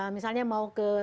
misalnya mau ke